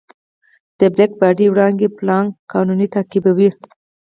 د بلیک باډي وړانګې پلانک قانون تعقیبوي.